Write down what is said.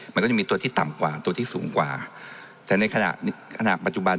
มันก็จะมีตัวที่ต่ำกว่าตัวที่สูงกว่าแต่ในขณะปัจจุบัน